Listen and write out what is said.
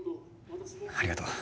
ありがとう。